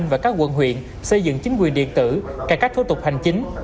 và các quận huyện xây dựng chính quyền điện tử cải cách thủ tục hành chính